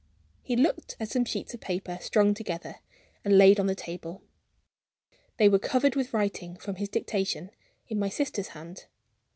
He looked at some sheets of paper, strung together, and laid on the table. They were covered with writing (from his dictation) in my sister's hand.